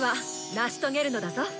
成し遂げるのだぞ！